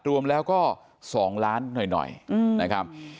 รวมแล้วก็๒ล้านหน่อยนะครับ